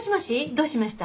どうしました？